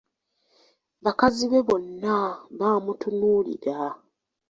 Bakazi be bonna baamutunuulira.